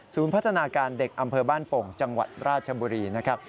พัฒนาการเด็กอำเภอบ้านโป่งจังหวัดราชบุรีนะครับ